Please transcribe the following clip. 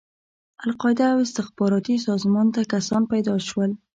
القاعده او استخباراتي سازمان ته کسان پيدا شول.